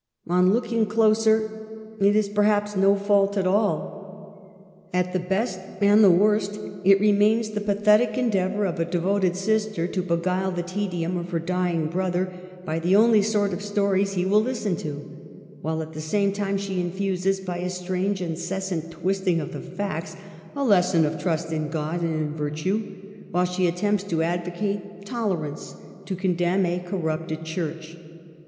On looking closer, it ^.^ perhaps, no fault at all. At the best and the worst, it remains the pathetic endeavor of a devoted sister to beguile the tedium of her dying brother by the only sort of stories he will listen to; while at the same time she infuses, by a strange, incessant twisting of the facts, a lesson of trust in God and in virtue; while she attempts to advocate tolerance, to condemn a corrupted Church.